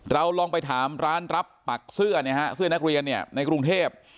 เราลองไปถามร้านรับปักเสื้อเนี่ยฮะเสื้อนักเรียนเนี่ยในกรุงเทพ